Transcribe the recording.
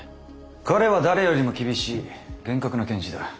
彼は誰よりも厳しい厳格な検事だ。